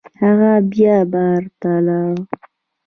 هغه بیا بار ته لاړ.